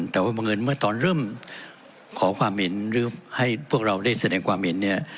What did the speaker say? แต่ว่าบังเอิญเมื่อตอนเริ่มขอความเห็นหรือให้พวกเราได้แสดงความเห็นเนี่ย